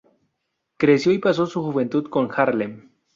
Creció y pasó su juventud en Harlem.